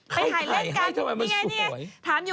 ไปถ่ายเล่นกัน